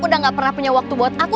udah gak pernah punya waktu buat aku